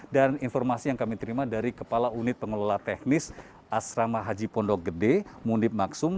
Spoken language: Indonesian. dan informasi yang kami terima dari kepala unit pengelola teknis asrama haji pondok gede mundip maksum